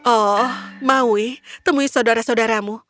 oh maui temui saudara saudaramu